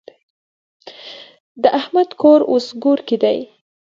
د احمد کور اوس کورګی دی.